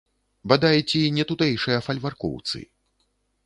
Бадай, ці нетутэйшыя фальваркоўцы.